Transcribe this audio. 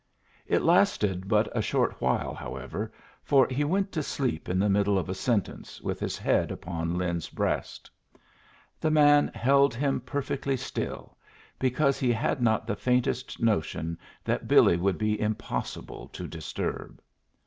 It lasted but a short while, however, for he went to sleep in the middle of a sentence, with his head upon Lin's breast. The man held him perfectly still, because he had not the faintest notion that Billy would be impossible to disturb.